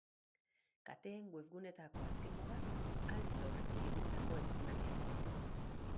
Kateen webguneetako azken moda aldez aurretik egindako estreinaldiak dira.